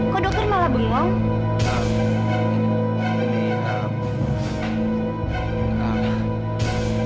kok dokter malah bengong